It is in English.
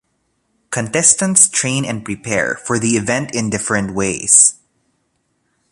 Contestants train and prepare for the event in different ways.